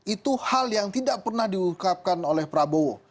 itu hal yang tidak pernah diungkapkan oleh prabowo